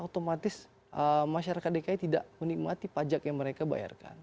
otomatis masyarakat dki tidak menikmati pajak yang mereka bayarkan